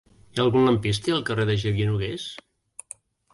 Hi ha algun lampista al carrer de Xavier Nogués?